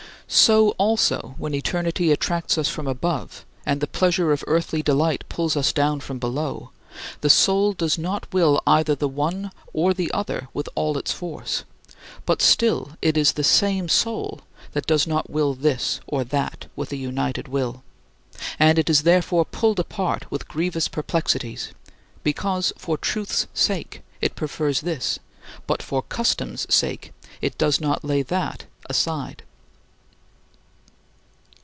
So also, when eternity attracts us from above, and the pleasure of earthly delight pulls us down from below, the soul does not will either the one or the other with all its force, but still it is the same soul that does not will this or that with a united will, and is therefore pulled apart with grievous perplexities, because for truth's sake it prefers this, but for custom's sake it does not lay that aside.